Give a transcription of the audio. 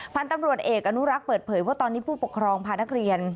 พันธุ์ตำรวจเอกอนุรักษ์เปิดเผยว่าตอนนี้ผู้ปกครองพานักเรียน